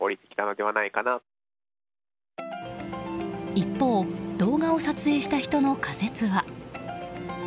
一方、動画を撮影した人の仮説は。